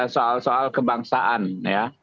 soal soal kebangsaan ya